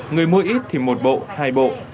người mua ít thì một bộ hai bộ